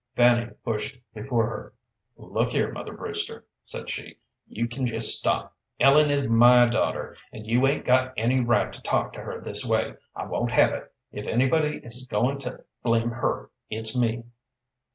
Fanny pushed before her. "Look here, Mother Brewster," said she, "you can just stop! Ellen is my daughter, and you 'ain't any right to talk to her this way. I won't have it. If anybody is goin' to blame her, it's me."